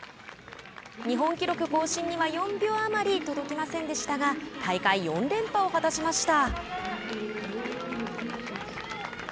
日本記録更新には４秒余り届きませんでしたが大会４連覇を果たしました。